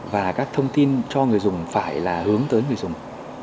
và các thông tin cho người dùng phải là hướng tới người dùng